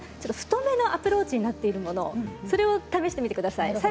太めのアプローチになっているものを試してみてください。